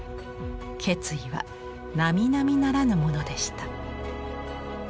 決意はなみなみならぬものでした。